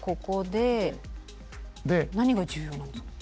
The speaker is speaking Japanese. で何が重要なんですか？